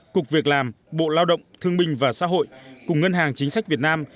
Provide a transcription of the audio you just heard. cục việc làm bộ lao động thương minh và xã hội cùng ngân hàng chính sách việt nam